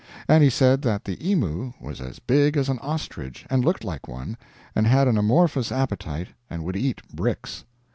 And he said that the emu was as big as an ostrich, and looked like one, and had an amorphous appetite and would eat bricks.